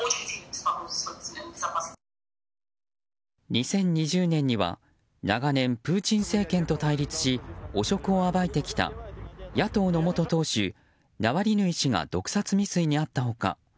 ２０２０年には長年プーチン政権と対立し汚職を暴いてきた野党の元党首、ナワリヌイ氏が毒殺未遂に遭った他